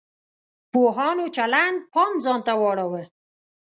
پوهانو چلند پام ځان ته واړاوه.